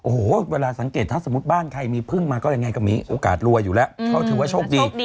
โอ้โหเวลาสังเกตถ้าสมมุติบ้านใครมีพึ่งมาก็ยังไงก็มีโอกาสรวยอยู่แล้วเขาถือว่าโชคดี